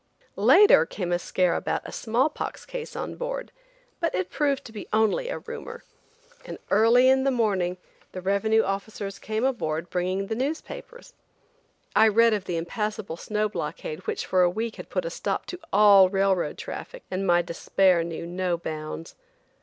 Later came a scare about a small pox case on board, but it proved to be only a rumor, and early in the morning the revenue officers came aboard bringing the newspapers. I read of the impassable snow blockade which for a week had put a stop to all railroad traffic, and my despair knew no bounds.